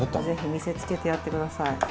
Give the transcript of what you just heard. ぜひ見せ付けてやってください。